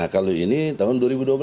kalau ini tahun dua ribu dua belas